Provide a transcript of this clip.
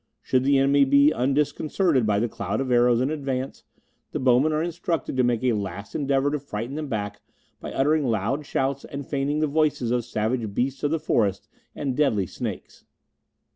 Should the enemy be undisconcerted by the cloud of arrows, and advance, the bowmen are instructed to make a last endeavour to frighten them back by uttering loud shouts and feigning the voices of savage beasts of the forest and deadly snakes."